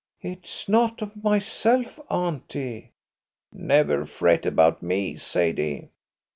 "It's not of myself, auntie." "Never fret about me, Sadie."